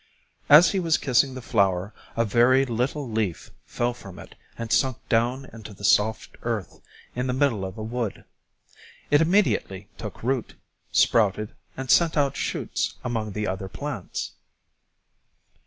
As he was kissing the flower a very little leaf fell from it and sunk down into the soft earth in the middle of a wood. It immediately took root, sprouted, and sent out shoots among the other plants.